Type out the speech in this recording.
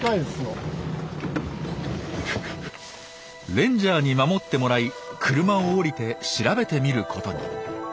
レンジャーに守ってもらい車を降りて調べてみることに。